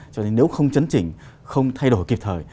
cho nên nếu không chấn chỉnh không thay đổi kịp thời